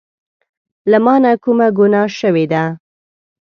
له مانه کومه ګناه شوي ده